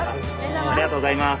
ありがとうございます。